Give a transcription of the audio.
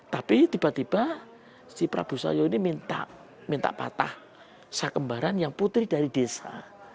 tapi tiba tiba si prabu sayo ini minta patah sakembaran yang putri dari desa